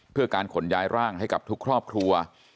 เพื่อการขนย้ายร่างให้กับทุกครอบครัว